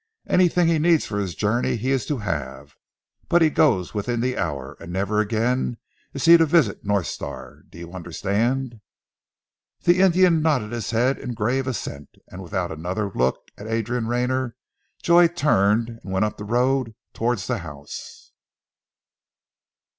Anything he needs for his journey he is to have; but he goes within the hour, and never again is he to visit North Star. Do you understand?" The Indian nodded his head in grave assent, and without another look at Adrian Rayner, Joy turned and went up the road towards the house.